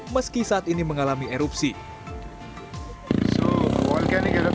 meski saat ini mengalami kegiatan yang sangat menarik